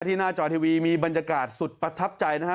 หน้าจอทีวีมีบรรยากาศสุดประทับใจนะฮะ